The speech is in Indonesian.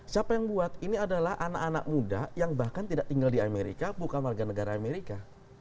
siapa yang buat ini adalah anak anak muda yang bahkan tidak tinggal di amerika bukan warga negara amerika